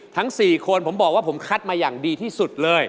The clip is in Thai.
ทั้ง๔คนผมบอกว่าผมคัดมาอย่างดีที่สุดเลย